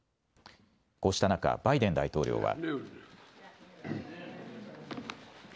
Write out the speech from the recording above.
こうした中、バイデン大統領は。